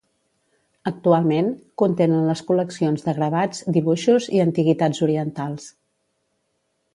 Actualment, contenen les col·leccions de gravats, dibuixos i antiguitats orientals.